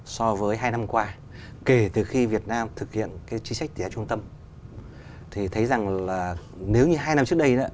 so với hai năm qua kể từ khi việt nam thực hiện chi sách tỉa trung tâm thì thấy rằng là nếu như hai năm trước đây